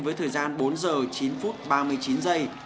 với thời gian bốn giờ chín phút ba mươi chín giây